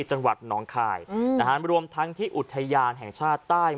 จังหวัดหนองคายนะฮะรวมทั้งที่อุทยานแห่งชาติใต้